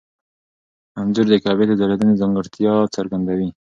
انځور د کعبې د ځلېدنې ځانګړتیا څرګندوي.